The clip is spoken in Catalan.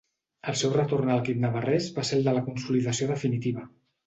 El seu retorn a l'equip navarrès va ser el de la consolidació definitiva.